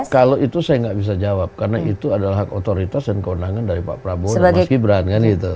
kalau itu saya nggak bisa jawab karena itu adalah hak otoritas dan keundangan dari pak prabowo